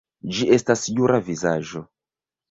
Ĝi estas jura vizaĝo.